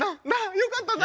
よかったな？